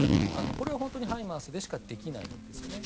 これは本当にハイマースでしかできないんですよね。